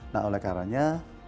nah oleh karanya